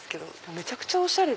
めちゃくちゃおしゃれ！